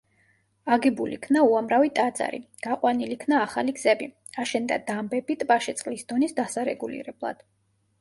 აგებულ იქნა უამრავი ტაძარი, გაყვანილ იქნა ახალი გზები, აშენდა დამბები ტბაში წყლის დონის დასარეგულირებლად.